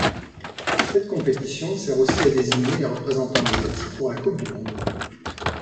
Cette compétition sert aussi à désigner les représentants asiatiques pour la coupe du monde.